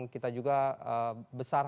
kita juga besar